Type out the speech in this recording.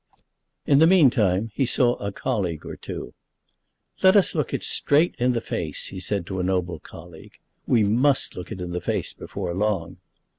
In the meantime he saw a colleague or two. "Let us look it straight in the face," he said to a noble colleague; "we must look it in the face before long."